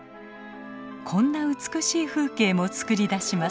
こんな美しい風景も作り出します。